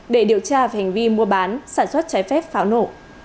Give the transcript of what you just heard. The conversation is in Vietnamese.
để điều tra về hành vi mua bán sản xuất trái phép pháo nổ